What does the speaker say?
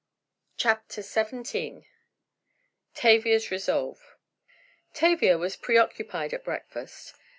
CHAPTER XVII TAVIA'S RESOLVE Tavia was preoccupied at breakfast.